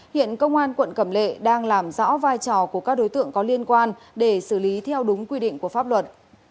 hiện công an quận cẩm lệ đang làm rõ vai trò của các đối tượng có liên quan để xử lý theo đúng quy định của pháp luật